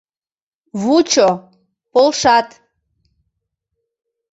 Вучо — полшат!..